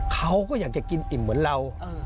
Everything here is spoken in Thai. เขาก็อยากจะกินอิ่มเหมือนเรา